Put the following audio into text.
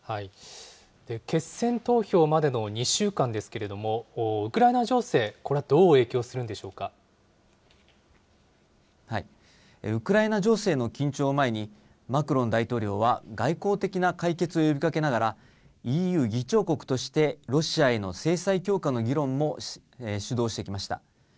決選投票までの２週間ですけれども、ウクライナ情勢、これはウクライナ情勢の緊張を前に、マクロン大統領は外交的な解決を呼びかけながら、ＥＵ議長国としてロシアへの制裁強化の議論も主導してきました。